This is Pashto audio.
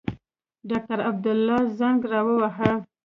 ډاکټر عبدالله زنګ را ووهه.